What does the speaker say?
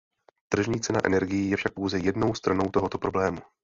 Tržní cena energií je však pouze jednou stranou tohoto problému.